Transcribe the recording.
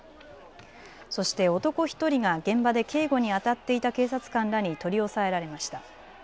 そして男１人が現場で警護にあたっていた警察官らに取り押さえられました。